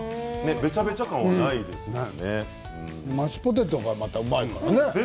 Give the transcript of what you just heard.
べちゃべちゃ感はマッシュポテトがまたうまいからね。